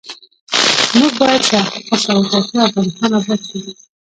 موږ باید سیاحت هڅوو ، ترڅو افغانستان اباد شي.